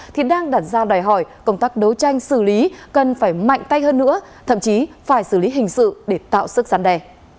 thì đang đặt ra đòi hỏi công tác đấu tranh xử lý cần phải mạnh tay hơn nữa thậm chí phải xử lý hình sự để tạo sức gian đe